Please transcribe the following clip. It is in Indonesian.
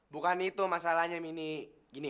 bukan itu masalahnya mini gini